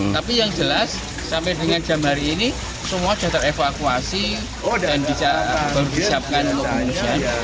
tapi yang jelas sampai dengan jam hari ini semua sudah terevakuasi dan bisa disiapkan untuk pengungsian